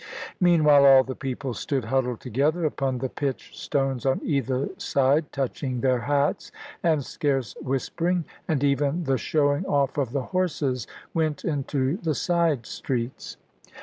Meanwhile all the people stood huddled together upon the pitched stones on either side, touching their hats, and scarce whispering, and even the showing off of the horses went into the side streets.